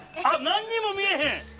何にも見えへん。